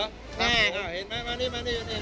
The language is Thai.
ครับฮ่าเห็นไหม